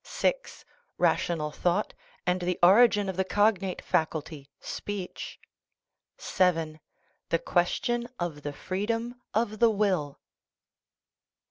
(6) Rational thought, and the origin of the cognate faculty, speech. (7) The question of the freedom of the will.